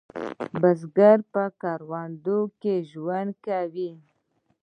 بزګر په کروندو کې ژوند کوي